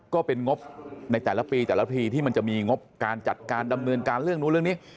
ก็เป็นงบในแต่ละปีแต่ละทีที่มันจะมีงบการจัดการดำเนินการเรื่องนู้นเรื่องนี้